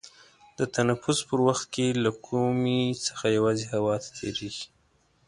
د تنفس په وخت کې له کومي څخه یوازې هوا تیرېږي.